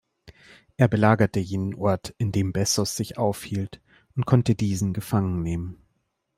Er belagerte jenen Ort, in dem Bessos sich aufhielt, und konnte diesen gefangen nehmen.